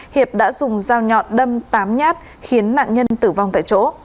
hiệp đã dùng dao nhọn đâm tám nhát khiến nạn nhân tử vong tại chỗ